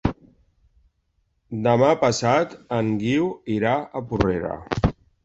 Demà passat en Guiu irà a Porrera.